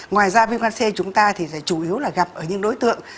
ngoài ra viêm gan c chúng ta thì chủ yếu là gặp ở những đối tượng